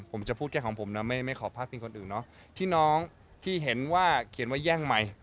ผมจะพูดแค่ของผมนะไม่ขอพลาดพิงคนอื่นเนาะที่น้องที่เห็นว่าเขียนว่าแย่งใหม่